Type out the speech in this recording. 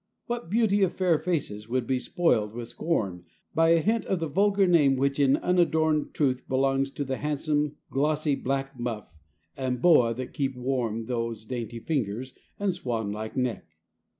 What beauty of fair faces would be spoiled with scorn by a hint of the vulgar name which in unadorned truth belongs to the handsome glossy black muff and boa that keep warm those dainty fingers and swan like neck.